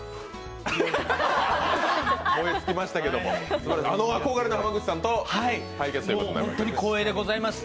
燃え尽きましたけど、あの憧れの濱口さんと対決ということでございます。